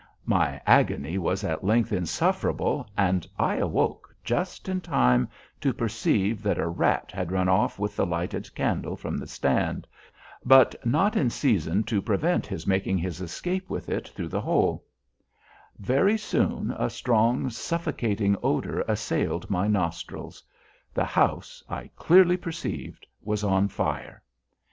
My agony was at length insufferable, and I awoke just in time to perceive that a rat had run off with the lighted candle from the stand, but not in season to prevent his making his escape with it through the hole, Very soon a strong, suffocating odor assailed my nostrils; the house, I clearly perceived, was on fire.